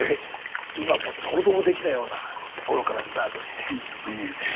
今もう想像もできないようなところからスタートして。